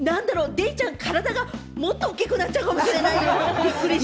デイちゃん、体がもっと大きくなっちゃうかもしれない、無理して。